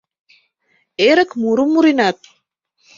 Эрык мурым муренат